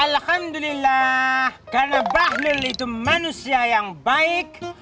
alhamdulillah karena bahlil itu manusia yang baik